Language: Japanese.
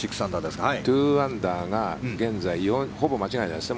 ２アンダーが今、ほぼ間違いないです。